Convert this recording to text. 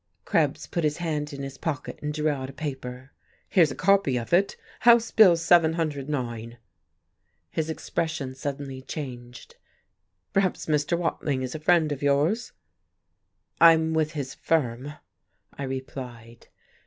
Krebs put his hand in his pocket and drew out a paper. "Here's a copy of it, House Bill 709." His expression suddenly changed. "Perhaps Mr. Watling is a friend of yours." "I'm with his firm," I replied....